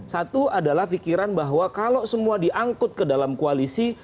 satu adalah pikiran bahwa kalau semua diangkut ke dalam koalisi